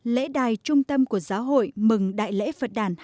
lễ đài trung tâm của giáo hội mừng đại lễ phật đàn